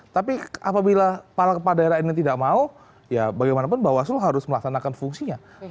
tapi apabila kepala daerah ini tidak mau ya bagaimanapun bawaslu harus melaksanakan fungsinya